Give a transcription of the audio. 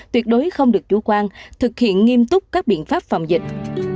tuyệt đối không được chủ quan thực hiện nghiêm túc các biện pháp phòng dịch